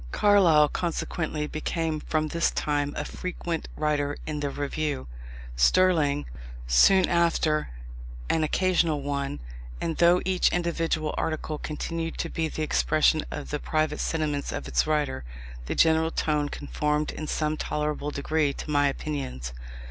Carlyle, consequently became from this time a frequent writer in the Review; Sterling, soon after, an occasional one; and though each individual article continued to be the expression of the private sentiments of its writer, the general tone conformed in some tolerable degree to my opinions.